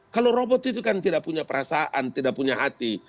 kalau robot itu kan tidak punya perasaan tidak punya hati